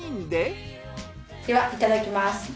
ではいただきます。